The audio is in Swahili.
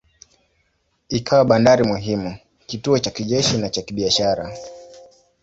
Ikawa bandari muhimu, kituo cha kijeshi na cha kibiashara.